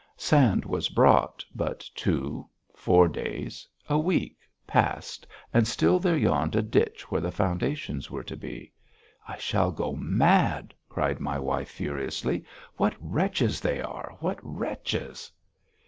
Sand was brought, but two, four days, a week passed and still there yawned a ditch where the foundations were to be. "I shall go mad," cried my wife furiously. "What wretches they are! What wretches!"